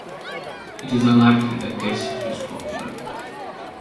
It is unlikely that this was popular.